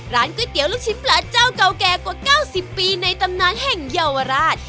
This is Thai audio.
ก๋วยเตี๋ยวลูกชิ้นปลาเจ้าเก่าแก่กว่า๙๐ปีในตำนานแห่งเยาวราช